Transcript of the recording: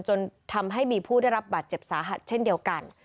จนทำให้มีผู้ได้รับบาดเจ็บสาหัสเช่นเดียวกัน